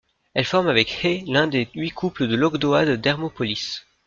Elle forme avec Heh l'un des huit couples de l'ogdoade d'Hermopolis.